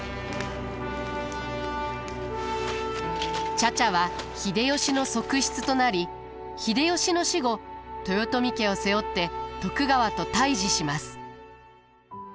茶々は秀吉の側室となり秀吉の死後豊臣家を背負って徳川と対じします。